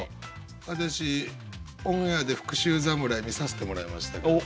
私オンエアで「復習侍」見させてもらいましたけど。